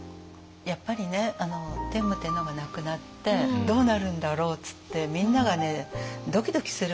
やっぱりね天武天皇が亡くなってどうなるんだろうっつってみんながドキドキするわけですよ。